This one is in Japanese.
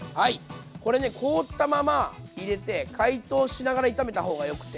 これね凍ったまま入れて解凍しながら炒めた方がよくて。